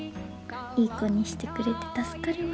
いい子にしてくれて助かるわ。